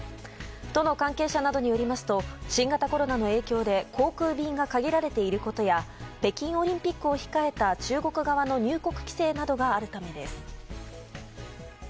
都の関係者などによりますと新型コロナの影響で航空便が限られていることや北京オリンピックを控えた中国側の入国規制などがあるためです。